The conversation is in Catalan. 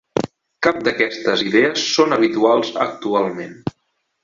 Cap d'aquestes idees són habituals actualment.